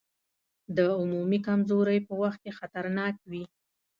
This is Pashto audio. د عمومي کمزورۍ په وخت کې خطرناک وي.